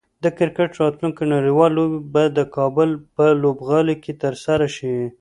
د کرکټ راتلونکی نړیوالې لوبې به د کابل په لوبغالي کې ترسره شي